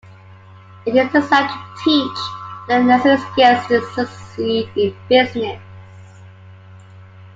It is designed to teach the necessary skills to succeed in business.